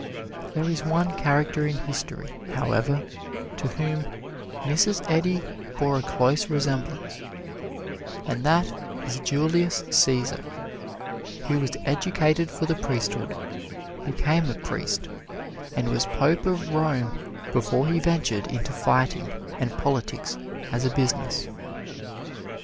There is one character in history, however, to whom Mrs. Eddy bore a close resemblance and that is Julius Cæsar, who was educated for the priesthood, became a priest, and was Pope of Rome before he ventured into fighting and politics as a business.